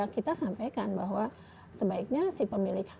kita sampaikan bahwa sebaiknya si pemilik